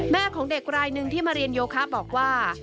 ของเด็กรายหนึ่งที่มาเรียนโยคะบอกว่า